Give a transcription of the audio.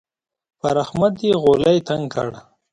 پر احمد يې غولی تنګ کړ.